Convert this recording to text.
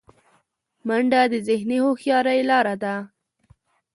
منډه د ذهني هوښیارۍ لاره ده